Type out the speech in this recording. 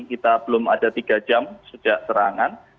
kita belum ada tiga jam sejak serangan